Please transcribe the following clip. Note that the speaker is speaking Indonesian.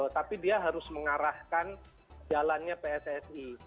tapi dia harus mengarahkan jalannya pssi